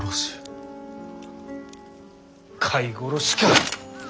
飼い殺しか。